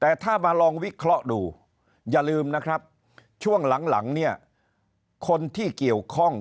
แต่ถ้ามาลองวิเคราะห์ดูอย่าลืมนะครับช่วงหลังเนี่ยคนที่เกี่ยวข้อง